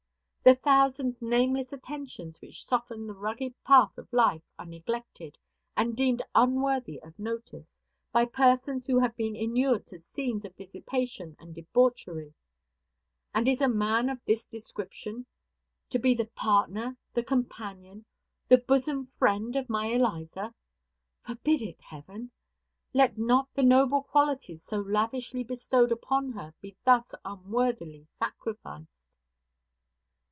The thousand nameless attentions which soften the rugged path of life are neglected, and deemed unworthy of notice, by persons who have been inured to scenes of dissipation and debauchery. And is a man of this description to be the partner, the companion, the bosom friend of my Eliza? Forbid it, Heaven! Let not the noble qualities so lavishly bestowed upon her be thus unworthily sacrificed!